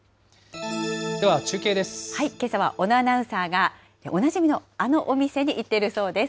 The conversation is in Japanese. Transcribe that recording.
けさは小野アナウンサーが、おなじみのあのお店に行っているそうです。